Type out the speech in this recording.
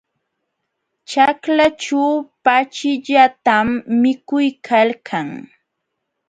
Ćhaklaćhu pachillatam mikuykalkan.